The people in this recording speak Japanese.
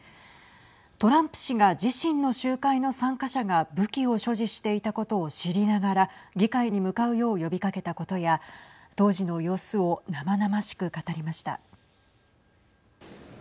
トランプ氏が自身の集会の参加者が武器を所持していたことを知りながら議会に向かうよう呼びかけたことや当時の様子を生々しく語りました。